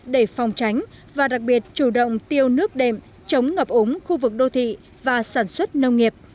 để phòng tránh và đặc biệt chủ động tiêu nước đệm chống ngập ống khu vực đô thị và sản xuất nông nghiệp